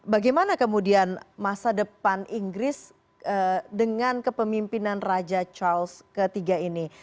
bagaimana kemudian masa depan inggris dengan kepemimpinan raja charles iii ini